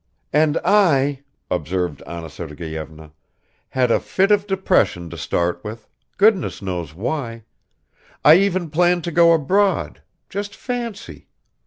"And I," observed Anna Sergeyevna, "had a fit of depression to start with, goodness knows why; I even planned to go abroad, just fancy!